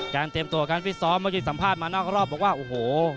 เตรียมตัวการฟิตซ้อมเมื่อกี้สัมภาษณ์มานอกรอบบอกว่าโอ้โห